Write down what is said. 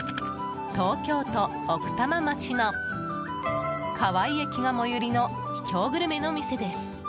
東京都奥多摩町の川井駅が最寄りの、秘境グルメの店です。